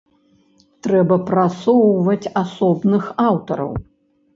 Трэба прасоўваць асобных аўтараў.